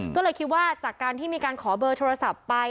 ก็เลยคิดว่าจากการที่มีการขอเบอร์โทรศัพท์ไป